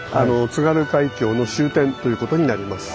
津軽海峡の終点ということになります。